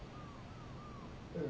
うん。